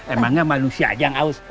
emangnya manusia aja yang haus